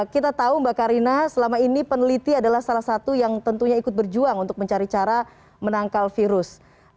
kita tahu mbak karina selama ini peneliti adalah salah satu yang tentunya ikut berjuang untuk mencari cara menangkal virus